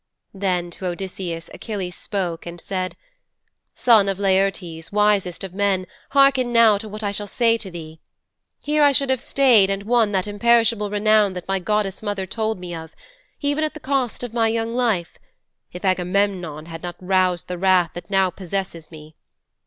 "' Then to Odysseus, Achilles spoke and said, "Son of Laertes, wisest of men, harken now to what I shall say to thee. Here I should have stayed and won that imperishable renown that my goddess mother told me of, even at the cost of my young life if Agamemnon had not aroused the wrath that now possesses me.